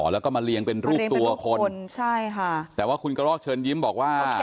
แล้วก็มาเรียงเป็นรูปตัวคนใช่ค่ะแต่ว่าคุณกระรอกเชิญยิ้มบอกว่า